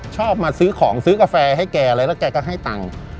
ชอบมาซื้อของซื้อกาแฟให้แกอะไรแล้วแกก็ให้ตังค์